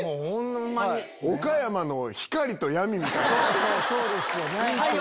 えっ⁉そうですよね！